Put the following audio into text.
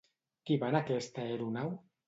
Qui hi va en aquesta aeronau?